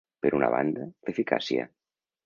Per una banda, l’eficàcia.